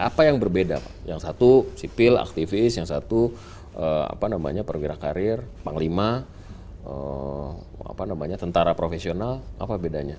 apa yang berbeda yang satu sipil aktivis yang satu perwira karir panglima tentara profesional apa bedanya